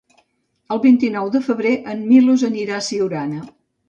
El vint-i-nou de febrer en Milos anirà a Siurana.